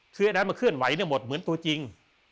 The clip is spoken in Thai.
คือไอ้นั้นมาเคลื่อนไหวหมดเหมือนตัวจริง